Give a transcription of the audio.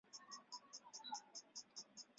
右图为将太空船从低轨道的霍曼转移轨道。